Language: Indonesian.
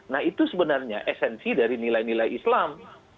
nah itu sebenarnya esensi dari nilai nilai islam